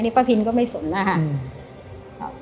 นี่ป้าพินก็ไม่สนแล้วค่ะ